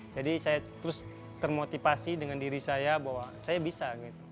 jadi saya terus termotivasi dengan diri saya bahwa saya bisa